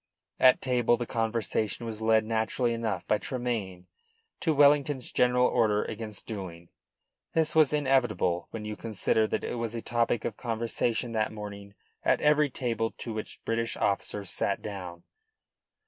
At table the conversation was led naturally enough by Tremayne to Wellington's general order against duelling. This was inevitable when you consider that it was a topic of conversation that morning at every table to which British officers sat down.